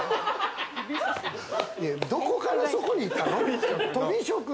どこからそこに行ったの？